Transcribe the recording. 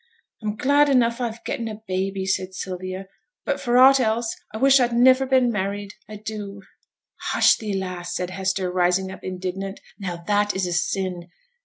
'I'm glad enough I've getten a baby,' said Sylvia, 'but for aught else I wish I'd niver been married, I do!' 'Hush thee, lass!' said Hester, rising up indignant; 'now that is a sin.